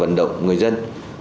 vận động người dân